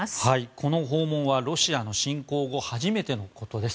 この訪問はロシアの侵攻後初めてのことです。